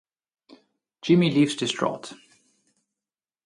Jimmy leaves distraught.